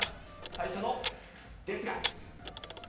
最初のです